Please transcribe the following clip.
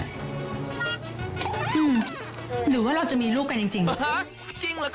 หือหรือว่าเราจะมีลูกกันจริง